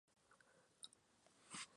El segundo nivel cuenta con cuatro puertas.